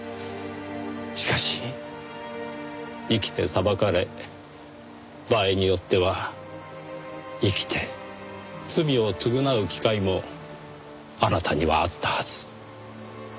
しかし生きて裁かれ場合によっては生きて罪を償う機会もあなたにはあったはず。